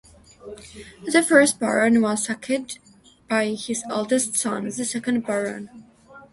The first Baron was succeeded by his eldest son, the second Baron.